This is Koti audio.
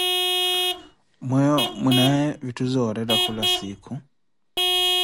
Mweeyo mwinaaye vitthu zooretta khula siikhu.